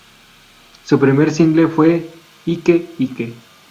Su primer single fue ike ike.